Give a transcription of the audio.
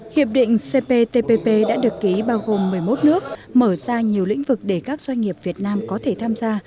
hiệp định cptpp đã được ký bao gồm một mươi một nước mở ra nhiều lĩnh vực để các doanh nghiệp việt nam có thể tham gia